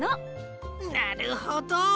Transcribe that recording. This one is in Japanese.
なるほど！